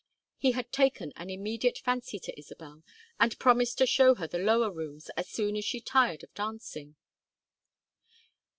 He had taken an immediate fancy to Isabel and promised to show her the lower rooms as soon as she tired of dancing.